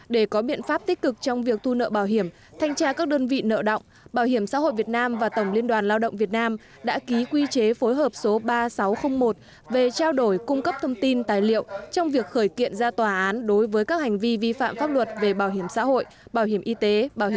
để có biện pháp tích cực trong việc thu nợ bảo hiểm thanh tra các đơn vị nợ động bảo hiểm xã hội việt nam và tổng liên đoàn lao động việt nam đã ký quy chế phối hợp số ba nghìn sáu trăm linh một về trao đổi cung cấp thông tin tài liệu trong việc khởi kiện ra tòa án đối với các hành vi vi phạm pháp luật về bảo hiểm xã hội bảo hiểm y tế